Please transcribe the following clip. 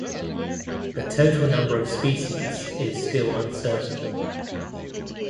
The total number of species is still uncertain.